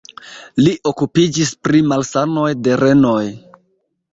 Li okupiĝis pri malsanoj de renoj.